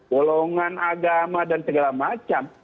golongan agama dan segala macam